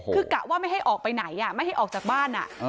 คือกะว่าไม่ให้ออกไปไหนไม่ให้ออกจากบ้าน